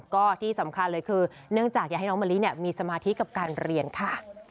ก็ที่สำคัญเลยคือเนื่องจากอยากให้น้องมะลิมีสมาธิกับการเรียนค่ะ